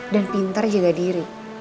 dan pintar jaga diri